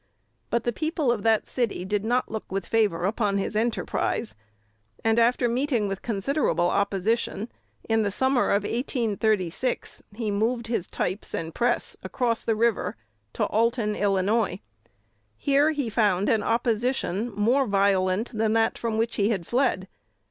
But the people of that city did not look with favor upon his enterprise; and, after meeting with considerable opposition, in the summer of 1836 he moved his types and press across the river to Alton, Ill. Here he found an opposition more violent than that from which he had fled.